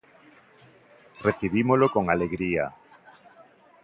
Recibímolo con alegría.